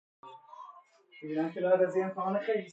استخوان ناوسان